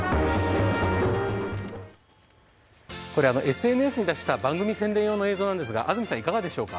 ＳＮＳに出した番組専用の映像ですが安住さん、いかがでしょうか？